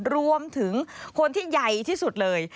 รวมถึงคนที่ใหญ่ที่สุดเลย